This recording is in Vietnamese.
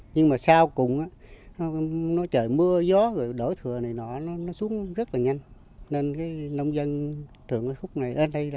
nếu muốn có giá lúa mà nó cao